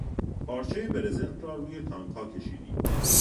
پارچهی برزنت را روی تانکها کشیدیم.